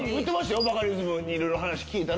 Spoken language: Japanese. バカリズムにいろいろ話聞いたら。